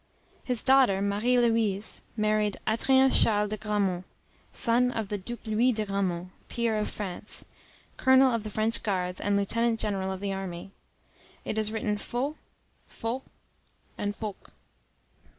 His daughter, Marie Louise, married Adrien Charles de Gramont, son of the Duke Louis de Gramont, peer of France, colonel of the French guards, and lieutenant general of the army. It is written Faux, Fauq, and Faoucq.